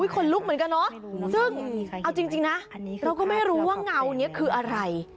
คนลุกเหมือนกันเนอะ